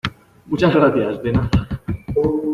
muchas gracias. de nada .